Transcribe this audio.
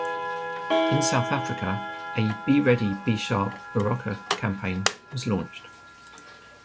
In South Africa a "Beready Besharp Berocca" campaign was launched.